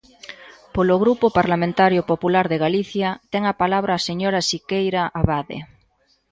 Polo Grupo Parlamentario Popular de Galicia, ten a palabra a señora Siqueira Abade.